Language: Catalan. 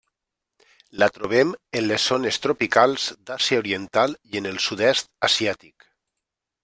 La trobem en les zones tropicals d'Àsia Oriental i en el sud-est asiàtic.